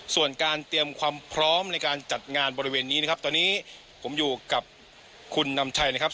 ส่วนการเตรียมความพร้อมในการจัดงานบริเวณนี้นะครับตอนนี้ผมอยู่กับคุณนำชัยนะครับ